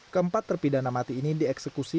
keempat terpidana mati ini dieksekusi